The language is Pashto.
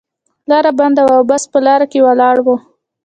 لاره بنده وه او بس په لار کې ولاړ و.